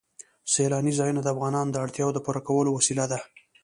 سیلانی ځایونه د افغانانو د اړتیاوو د پوره کولو وسیله ده.